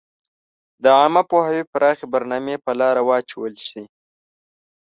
د عامه پوهاوي پراخي برنامي په لاره واچول شي.